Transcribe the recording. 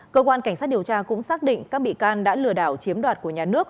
cơ quan cảnh sát điều tra cũng xác định các bị can đã lừa đảo chiếm đoạt của nhà nước